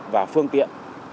và phương tiện